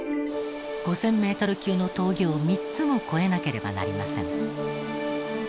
５０００メートル級の峠を３つも越えなければなりません。